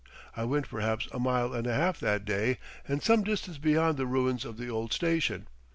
I went perhaps a mile and a half that day and some distance beyond the ruins of the old station.